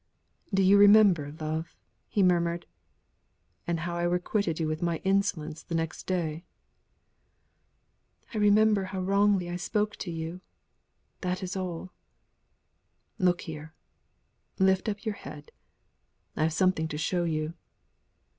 "Do you remember, love?" he murmured. "And how I requited you with my insolence the next day?" "I remember how wrongly I spoke to you, that is all." "Look here! Lift up your head. I have something to show you!"